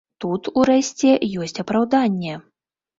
Тут, урэшце, ёсць апраўданне.